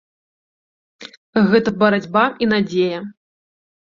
Гэта барацьба і надзея.